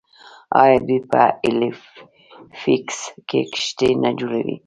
آیا دوی په هیلیفیکس کې کښتۍ نه جوړوي؟